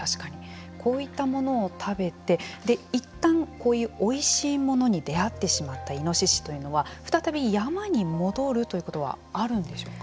こういったものを食べていったん、こういうおいしいものに出会ってしまったイノシシというのは再び山に戻るということはあるんでしょうか。